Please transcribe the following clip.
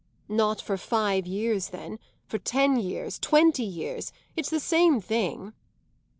"Not for five years then; for ten years; twenty years. It's the same thing."